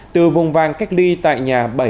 từ vùng vàng cách ly tại nhà bảy đến một mươi bốn ngày